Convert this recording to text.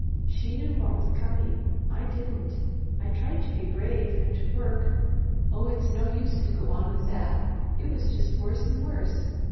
She knew what was coming. I didn't. I tried to be brave and to work. Oh it's no use to go on with that! It was just worse and worse.